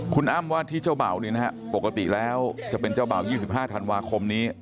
คุณอ้ำว่าที่เจ้าเบ่าปกติแล้วจะเป็นเจ้าเบ่า๒๕ธันวาคมนี้